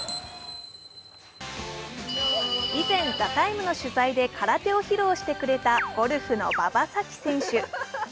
以前、「ＴＨＥＴＩＭＥ，」の取材で空手を披露してくれたゴルフの馬場咲希選手。